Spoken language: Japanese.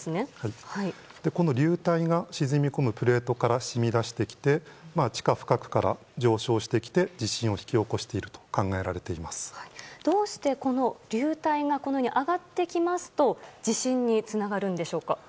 この流体が沈み込むプレートから染み出してきて地下深くから上昇してきて地震を引き起こしているとどうして流体が上がってきますと地震につながるのでしょうか？